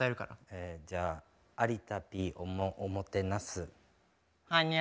えじゃあ「有田Ｐおもてなす」。はにゃ？